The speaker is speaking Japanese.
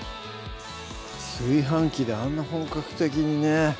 炊飯器であんな本格的にね